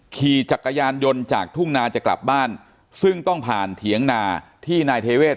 ขี่จักรยานยนต์จากทุ่งนาจะกลับบ้านซึ่งต้องผ่านเถียงนาที่นายเทเวศ